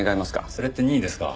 それって任意ですか？